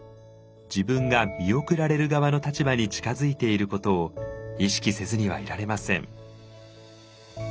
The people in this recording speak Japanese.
自分が見送られる側の立場に近づいていることを意識せずにはいられません。